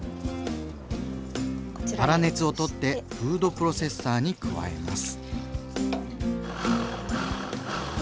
粗熱を取ってフードプロセッサーに加えます。